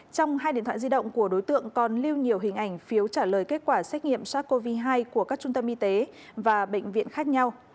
trong hai điện thoại di động của đối tượng còn lưu nhiều hình ảnh phiếu trả lời kết quả xét nghiệm sars cov hai của các trung tâm y tế và bệnh viện khác nhau